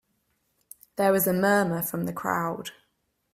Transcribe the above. There was a murmur from the crowd.